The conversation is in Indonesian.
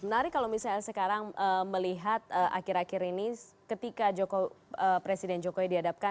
menarik kalau misalnya sekarang melihat akhir akhir ini ketika presiden jokowi dihadapkan